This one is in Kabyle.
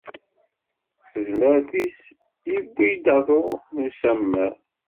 S tezmert-is, iwwi-d aḍu n usammer.